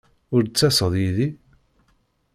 Ur d-ttaseḍ yid-i?